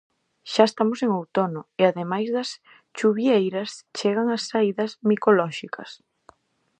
Xa estamos en outono, e ademais das chuvieiras, chegan as saídas micolóxicas.